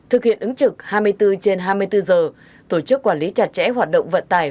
thực hiện ứng trực hai mươi bốn trên hai mươi bốn giờ tổ chức quản lý chặt chẽ hoạt động vận tải